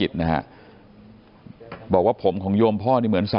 ลูกชายวัย๑๘ขวบบวชหน้าไฟให้กับพุ่งชนจนเสียชีวิตแล้วนะครับ